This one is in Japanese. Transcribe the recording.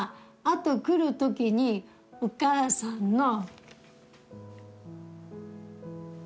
「あとくる時にお母さんの」